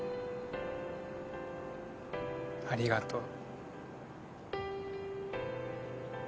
ありがとう。